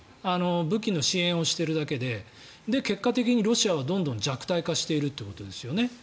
武器の支援をしているだけで結果的にロシアはどんどん弱体化しているということですよね。